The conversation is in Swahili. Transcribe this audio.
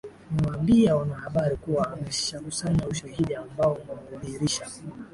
mewaambia wanahabari kuwa ameshakusanya ushahidi ambao unadhihirisha